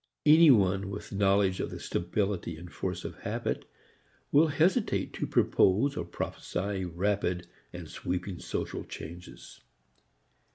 Any one with knowledge of the stability and force of habit will hesitate to propose or prophesy rapid and sweeping social changes.